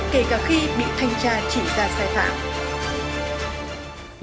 kể cả khi bị thanh tra chỉ ra sai phạm